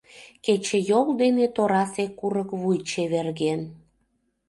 Кечыйол дене торасе курык вуй чеверген.